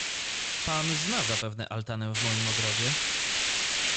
"Pan zna zapewne altanę w moim ogrodzie?"